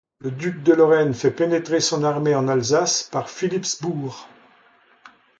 Le duc de Lorraine fait pénétrer son armée en Alsace par Philippsbourg.